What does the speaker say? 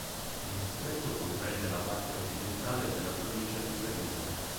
Il distretto comprende la parte occidentale della provincia di Treviso.